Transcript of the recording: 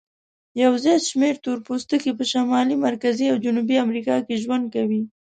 یو زیات شمیر تور پوستکي په شمالي، مرکزي او جنوبي امریکا کې ژوند کوي.